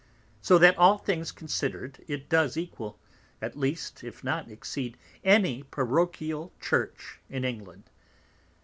So that all things consider'd, it does equal, at least, if not exceed, any Parochial Church in England.